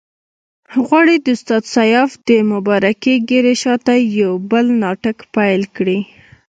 غواړي د استاد سیاف د مبارکې ږیرې شاته یو بل ناټک پیل کړي.